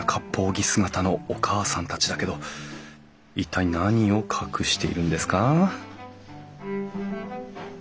着姿のおかあさんたちだけど一体何を隠しているんですか？